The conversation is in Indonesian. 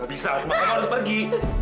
gak bisa asma mas kevin harus pergi